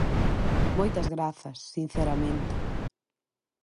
Moitas grazas, sinceramente.